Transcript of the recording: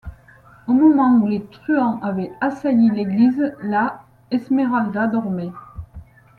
Au moment où les truands avaient assailli l’église, la Esmeralda dormait.